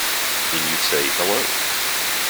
Then you'd say, 'Hello!'